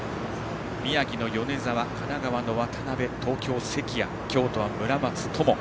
宮城の米澤、神奈川の渡邊東京、関谷、京都は村松灯。